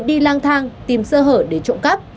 đi lang thang tìm sơ hở để trộm cắp